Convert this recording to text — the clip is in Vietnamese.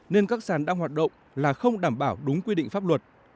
nên các sản đang hoạt động là không đảm bảo đúng quy định pháp luật